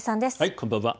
こんばんは。